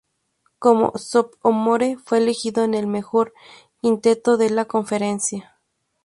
Como sophomore, fue elegido en el "mejor quinteto de la conferencia".